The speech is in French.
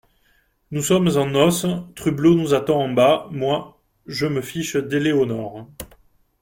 Nous sommes en noce, Trublot nous attend en bas … Moi, je me fiche d'Éléonore.